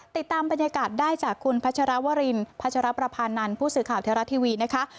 ติดตามบรรยากาศได้จากคุณพัชรวรินพัชรประพานันทร์ผู้สื่อข่าวเทวรัฐทีวีนะคะ